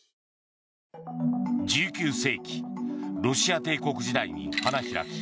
１９世紀ロシア帝国時代に花開き